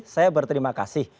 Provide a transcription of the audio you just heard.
saya berterima kasih